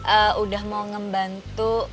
eh udah mau ngebantu